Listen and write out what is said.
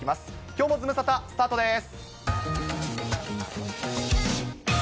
きょうもズムサタスタートです。